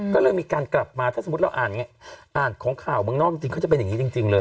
ก็เลยมีการกลับมาถ้าสมมุติเราอ่านของข่าวเมืองนอกจริงเขาจะเป็นอย่างนี้จริงเลย